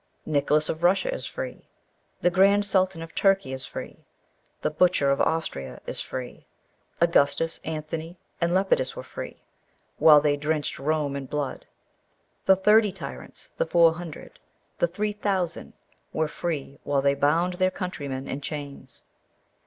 Nicholas of Russia is free. The grand Sultan of Turkey is free. The butcher of Austria is free. Augustus, Anthony, and Lepidus were free, while they drenched Rome in blood. The Thirty Tyrants the Four Hundred the Three Thousand, were free while they bound their countrymen in chains.